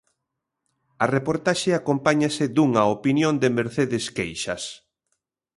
A reportaxe acompáñase dunha opinión de Mercedes Queixas.